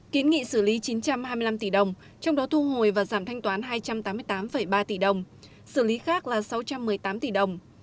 kiến nghị xử lý chín trăm hai mươi năm tỷ đồng trong đó thu hồi và giảm thanh toán hai trăm tám mươi tám ba tỷ đồng xử lý khác là sáu trăm một mươi tám tỷ đồng